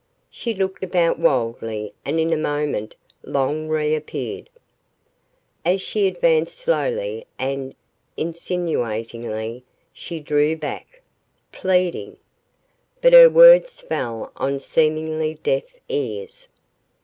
She looked about wildly and in a moment Long reappeared. As he advanced slowly and insinuatingly, she drew back, pleading. But her words fell on seemingly deaf ears.